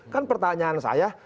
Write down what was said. kan pertanyaan saya